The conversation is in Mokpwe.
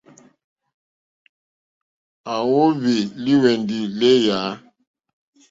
À wóhwì lùwɛ̀ndì lééyà.